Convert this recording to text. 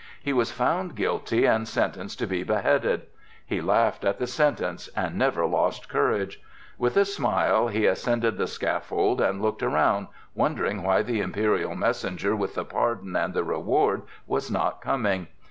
He was found guilty and sentenced to be beheaded. He laughed at the sentence and never lost courage. With a smile he ascended the scaffold and looked around, wondering why the imperial messenger with the pardon and the reward was not coming.